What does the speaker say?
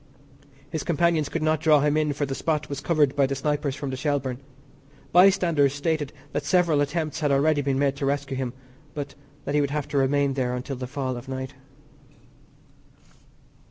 His companions could not draw him in for the spot was covered by the snipers from the Shelbourne. Bystanders stated that several attempts had already been made to rescue him, but that he would have to remain there until the fall of night.